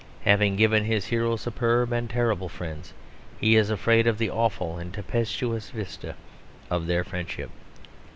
Having given his hero superb and terrible friends, he is afraid of the awful and tempestuous vista of their friendship.